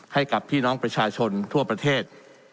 ให้กับพี่น้องประชาชนทั่วประเทศ